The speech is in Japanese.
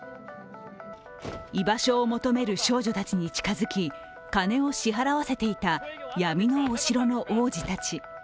居場所を求める少女たちに近づき金を支払わせていた闇のお城の王子たち。